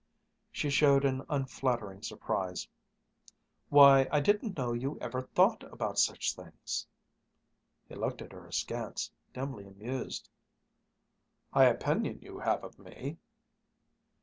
She showed an unflattering surprise. "Why, I didn't know you ever thought about such things." He looked at her askance, dimly amused. "High opinion you have of me!"